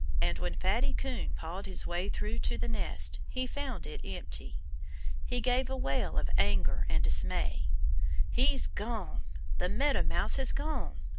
And when Fatty Coon pawed his way through to the nest he found it empty. He gave a wail of anger and dismay. "He's gone! The Meadow Mouse has gone!"